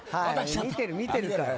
見てる、見てるから。